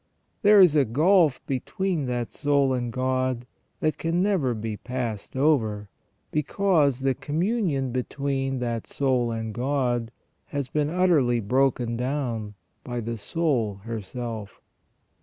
There is a gulf between that soul and God that can never be passed over, because the communion between that soul and God has been utterly broken down by the soul herself.